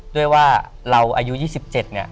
ด้วยว่าเราอายุ๒๗เนี่ย